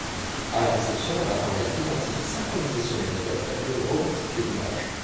À la réception, un appareil identique, synchronisé sur l'émetteur, permet de reconstituer l'image.